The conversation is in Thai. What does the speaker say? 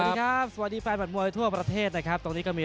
สวัสดีครับสวัสดีครับสวัสดีแปลหมดมวยทั่วประเทศนะครับตอนนี้ก็มี